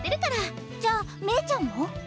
じゃあメイちゃんも？